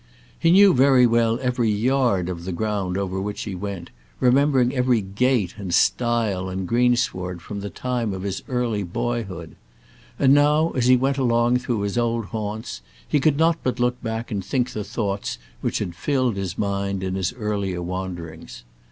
He knew well every yard of the ground over which he went, remembering every gate and stile and greensward from the time of his early boyhood. And now as he went along through his old haunts, he could not but look back and think of the thoughts which had filled his mind in his earlier wanderings.